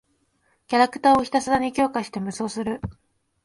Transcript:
キャラクターをひたすらに強化して無双する。